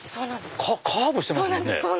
カーブしてますもんね。